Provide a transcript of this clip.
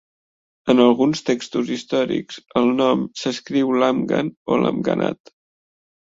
En alguns textos històrics, el nom s'escriu "Lamghan" o "Lamghanat".